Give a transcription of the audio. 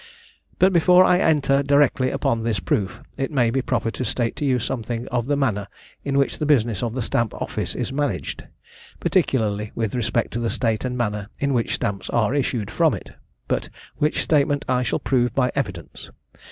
But before I enter directly upon this proof, it may be proper to state to you something of the manner in which the business of the Stamp office is managed, particularly with respect to the state and manner in which stamps are issued from it, but which statement I shall prove by evidence.